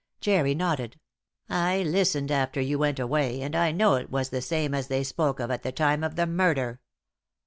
Jerry nodded. "I listened after you went away, and I know it was the same as they spoke of at the time of the murder.